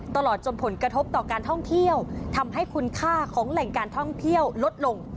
ตลอดจนผลกระทบต่อการท่องเที่ยวทำให้คุณค่าของแหล่งการท่องเที่ยวลดลง